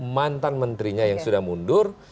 mantan menterinya yang sudah mundur